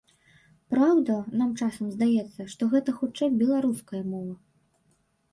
Праўда, нам часам здаецца, што гэта хутчэй беларуская мова.